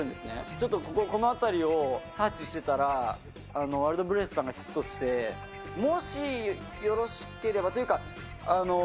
ちょっとこの辺りをサーチしてたら、ワイルドブレスさんがヒットして、もしよろしければというか。